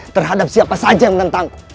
terhadap siapa saja yang menentangku